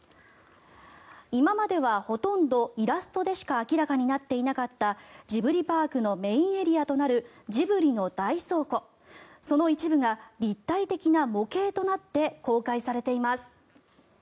今まではほとんどイラストでしか明らかになっていなかったジブリパークのメインエリアとなるジブリの大倉庫その一部が立体的な模型となって公開されています。